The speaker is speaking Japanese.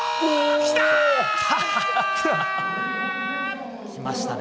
きましたね。